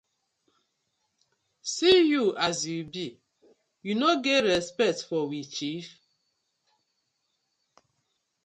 See yur as yu bi, yu no get respect for we chief.